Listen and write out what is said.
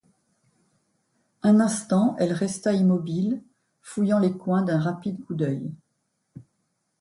Un instant, elle resta immobile, fouillant les coins d'un rapide coup d'oeil.